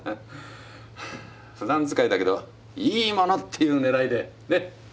ふだん使いだけどいいものっていう狙いでねっ。